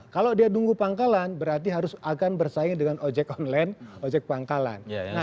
kalau dia nunggu pangkalan berarti harus akan bersaing dengan ojek online ojek pangkalan